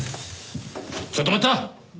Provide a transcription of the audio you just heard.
ちょっと待った！